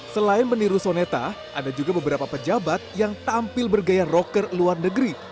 selain meniru soneta ada juga beberapa pejabat yang tampil bergaya rocker luar negeri